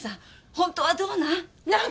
本当はどうなん？